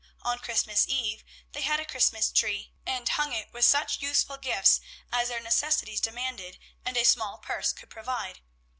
On Christmas Eve they had a Christmas tree, and hung it with such useful gifts as their necessities demanded and a small purse could provide.